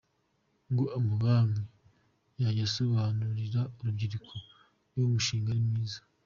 Ngo amabanki yajya asobanurira urubyiruko niba umushinga ari mwiza.